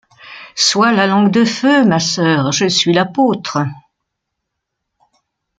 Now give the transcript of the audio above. Sois la langue de feu, ma sœur, je suis l’apôtre.